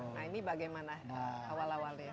nah ini bagaimana awal awalnya